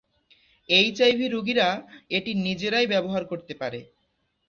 HIV রোগীরা এটি নিজেরাই ব্যবহার করতে পারে।